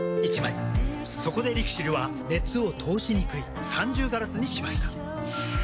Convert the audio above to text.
そこでＬＩＸＩＬは熱を通しにくい三重ガラスにしました。